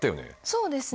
そうですね。